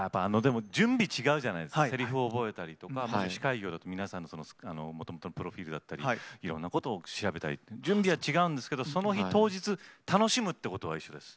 準備違うじゃないですかセリフ覚えたりとか司会業だと皆さんのもともとのプロフィールだったりいろんなことを調べたり準備は違うんですけどその日当日楽しむってことは一緒です。